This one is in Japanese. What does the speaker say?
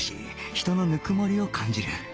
人のぬくもりを感じる